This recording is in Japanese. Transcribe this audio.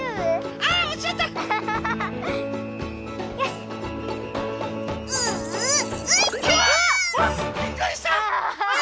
あびっくりした！